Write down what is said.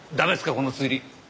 この推理。